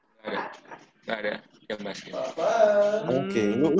gak ada gak ada yang basket